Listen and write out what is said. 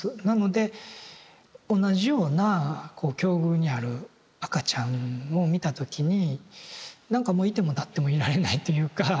なので同じようなこう境遇にある赤ちゃんを見た時になんかもう居ても立ってもいられないというか。